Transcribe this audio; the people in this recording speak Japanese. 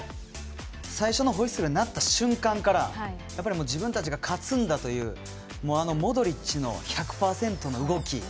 最初のホイッスルが鳴った瞬間から自分たちが勝つんだというモドリッチの１００％の動き。